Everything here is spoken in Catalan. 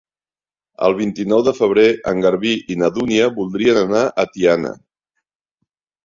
El vint-i-nou de febrer en Garbí i na Dúnia voldrien anar a Tiana.